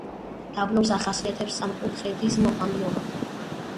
დაბლობს ახასიათებს სამკუთხედის მოყვანილობა.